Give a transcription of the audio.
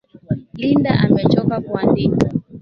Linda amechoka kuandika.